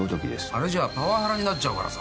あれじゃパワハラになっちゃうからさ。